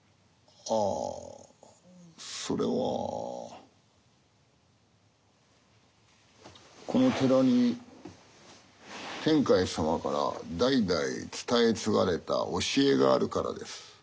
あそれはこの寺に天海様から代々伝え継がれた教えがあるからです。